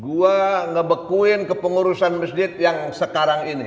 gue ngebekuin kepengurusan masjid yang sekarang ini